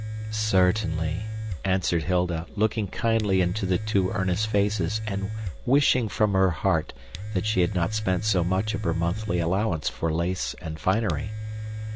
"Certainly," answered Hilda, looking kindly into the two earnest faces and wishing from her heart that she had not spent so much of her monthly allowance for lace and finery.